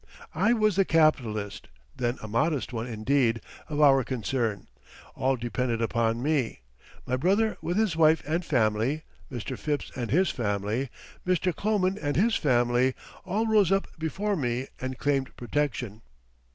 I was the capitalist (then a modest one, indeed) of our concern. All depended upon me. My brother with his wife and family, Mr. Phipps and his family, Mr. Kloman and his family, all rose up before me and claimed protection.